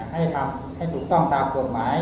ให้ทำให้ถูกต้องตามกฎหมาย